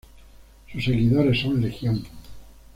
Sus seguidores son legion.